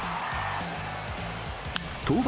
登板